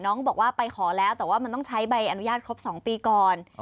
น้องบอกว่าไปขอแล้วแต่ว่ามันต้องใช้ใบอนุญาตครบ๒ปีก่อน